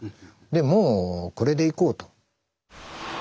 でもうこれでいこうと。